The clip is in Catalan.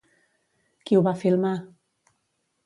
Qui ho va filmar?